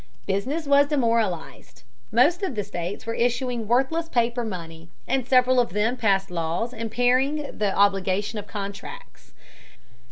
Business was demoralized. Most of the states were issuing worthless paper money, and several of them passed laws impairing the obligation of contracts.